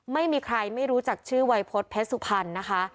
ไม่มีใครไม่รู้จักชื่อวัยพฤษเพชรสุพรรณนะคะ